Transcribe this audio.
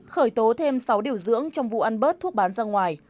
khởi tố thêm sáu điều dưỡng trong vụ ăn bớt thuốc bán ra ngoài